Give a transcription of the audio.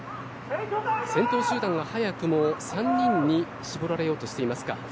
先頭集団は早くも３人に絞られようとしていますか。